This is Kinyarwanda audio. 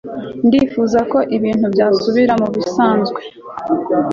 ndifuza ko ibintu byasubira mubisanzwe